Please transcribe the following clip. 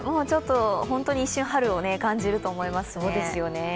一瞬、春を感じると思いますね。